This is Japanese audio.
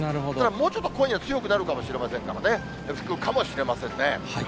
もうちょっと今夜、強くなるかもしれませんね、吹くかもしれませんね。